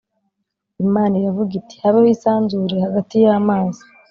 Imana iravuga iti “Habeho isanzure hagati y’amazi,